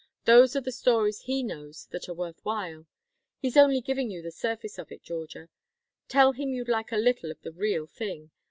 Those are the stories he knows that are worth while. He's only giving you the surface of it, Georgia. Tell him you'd like a little of the real thing.